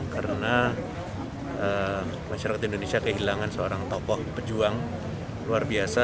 karena masyarakat indonesia kehilangan seorang tokoh pejuang luar biasa